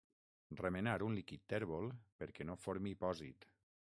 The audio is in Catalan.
Remenar un líquid tèrbol perquè no formi pòsit.